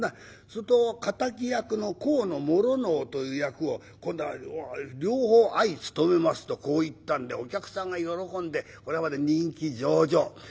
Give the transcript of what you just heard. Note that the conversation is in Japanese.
すると敵役の高師直という役を両方相勤めますとこう言ったんでお客さんが喜んで人気上々。